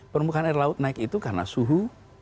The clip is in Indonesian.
permukaan air laut naik itu karena suhu